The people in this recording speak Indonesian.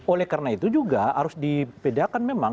oleh karena itu juga harus dibedakan memang